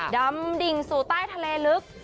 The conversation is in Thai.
ดำดิ่งสู่ใต้ทะเลลึก